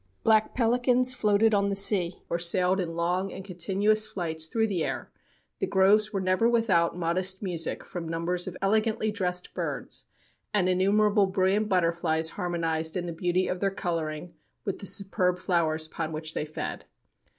Black pelicans floated on the sea, or sailed in long and continuous flight through the air; the groves were never without modest music from numbers of elegantly dressed birds, and innumerable brilliant butterflies harmonized in the beauty of their coloring with the superb flowers upon which they fed.